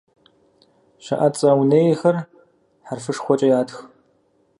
Щыӏэцӏэ унейхэр хьэрфышхуэкӏэ ятх.